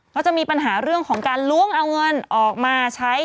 เขาจะมีปัญหาเรื่องของการล้วงเอาเงินออกมาใช้